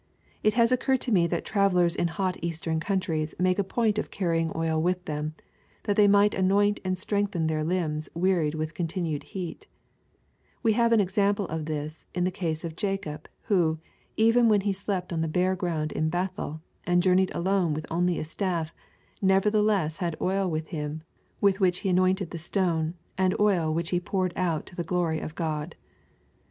It has occurred to me that travellers in hot eastern countries made a point of carrying oil with them, that they might anoint and strengthen their limbs wearied with continued heat "We have an example in the case of Jacob, who, even when he slept on the bare ground in Bethel, and journeyed alone with only a staff, nevertheless had oil with him, with which he anointed the stone, and oil which he poured out to the glory of GU>d."